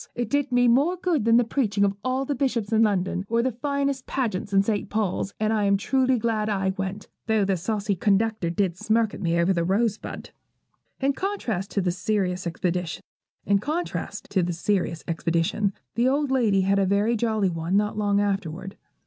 It did me more good than the preaching of all the bishops in London, or the finest pageant at St. Paul's; and I am truly glad I went, though the saucy conductor did smirk at me over the rosebud.' In contrast to this serious expedition, the old lady had a very jolly one not long afterward.